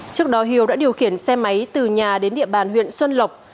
trước đó hiếu đã điều khiển xe máy từ nhà đến địa bàn huyện xuân lộc